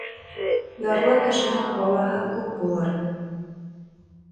Ярлы кешенең балаһы күп булыр.